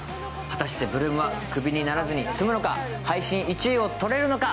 果たして８ＬＯＯＭはクビにならずに済むのか、配信１位をとれるのか。